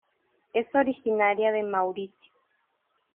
Es originaria de Mauricio.